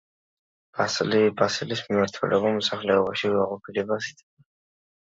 ბასილის მმართველობა მოსახლეობაში უკმაყოფილებას იწვევდა.